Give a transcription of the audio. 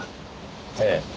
ええ。